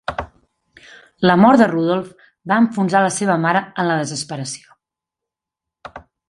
La mort de Rudolf va enfonsar a la seva mare en la desesperació.